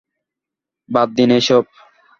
বাদ দিন এসব।